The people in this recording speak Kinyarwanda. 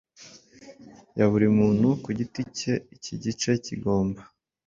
ya buri muntu ku giti cyeiki gice kigomba